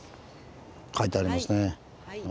書いてありますね。